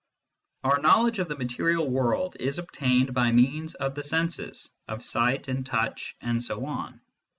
Our knowledge of the material world is obtained by means of the senses, of sight and touch and so on.